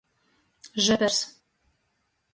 Žepers.